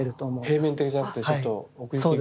平面的じゃなくてちょっと奥行きが。